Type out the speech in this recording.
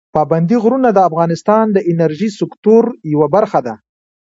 پابندي غرونه د افغانستان د انرژۍ سکتور یوه برخه ده.